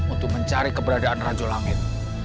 untuk mencari keberadaan rajo langit